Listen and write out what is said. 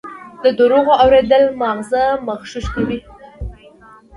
د دروغو اورېدل ماغزه مغشوش کوي.